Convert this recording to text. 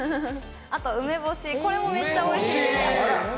あと梅干し、これもめっちゃおいしいんです。